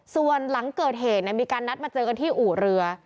ส่วนหลังเกิดเหตุมีการนัดมาเจอกันที่อู่เรือ